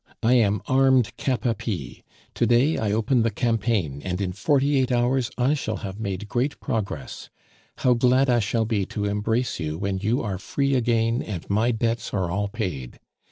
I am armed cap a pie; to day I open the campaign, and in forty eight hours I shall have made great progress. How glad I shall be to embrace you when you are free again and my debts are all paid!